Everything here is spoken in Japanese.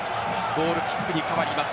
ゴールキックに変わります。